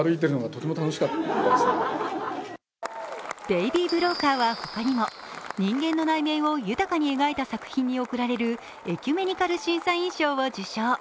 「ベイビー・ブローカー」は他にも人間の内面を豊かに描いた作品に贈られるエキュメニカル審査員賞を受賞。